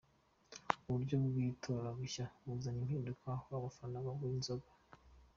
Uburyo bw’itora rishya bwazanye impinduka aho abafana bagura inzoga.